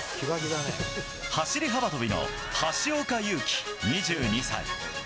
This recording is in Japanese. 走り幅跳びの橋岡優輝、２２歳。